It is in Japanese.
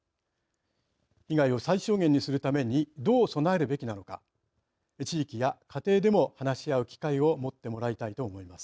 被害を最小限にするためにどう備えるべきなのか地域や家庭でも話し合う機会をもってもらいたいと思います。